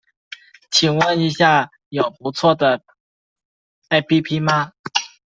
请问一下有不错的 ㄟＰＰ 吗